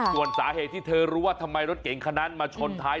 โต้อนสาเหตุที่เธอรู้ทำไมรถเกนขนานมาชนท้าย